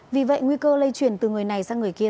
vì vậy nguy cơ lây chuyển từ người này sang người kia